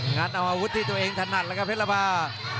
ัดเอาอาวุธที่ตัวเองถนัดแล้วครับเพชรบา